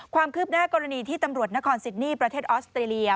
ความคืบหน้ากรณีที่ตำรวจนครซิดนี่ประเทศออสเตรเลีย